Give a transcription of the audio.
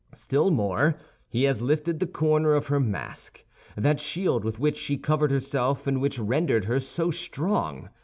Still more, he has lifted the corner of her mask—that shield with which she covered herself and which rendered her so strong.